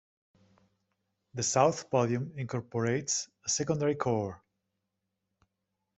The south podium incorporates a secondary core.